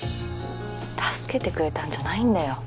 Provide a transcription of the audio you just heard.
助けてくれたんじゃないんだよ